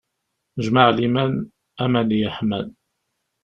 Jmaɛliman, aman yeḥman!